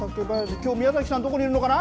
きょう、宮崎さん、どこにいるのかな？